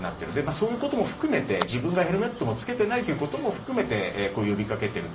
そういうことも含めて自分がヘルメットを着けていないということも含めて呼びかけている。